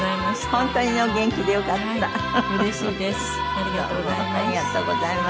ありがとうございます。